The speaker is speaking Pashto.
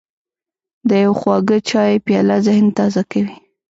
د یو خواږه چای پیاله ذهن تازه کوي.